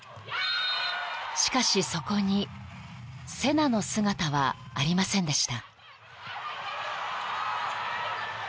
［しかしそこにセナの姿はありませんでした］